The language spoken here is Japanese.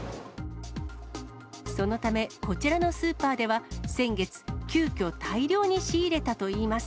そのため、こちらのスーパーでは、先月、急きょ、大量に仕入れたといいます。